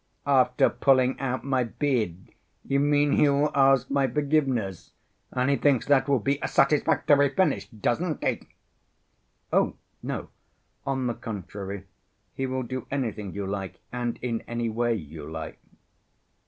"After pulling out my beard, you mean, he will ask my forgiveness? And he thinks that will be a satisfactory finish, doesn't he?" "Oh, no! On the contrary, he will do anything you like and in any way you like."